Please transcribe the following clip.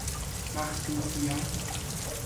مخصوصیت